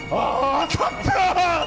当たったー！